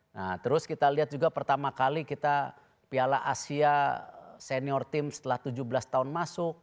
nah terus kita lihat juga pertama kali kita piala asia senior tim setelah tujuh belas tahun masuk